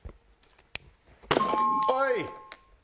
はい。